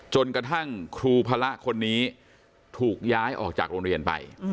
จนกระทั่งครูพระคนนี้ถูกย้ายออกจากโรงเรียนไป